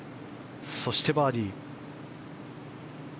そして、バーディー。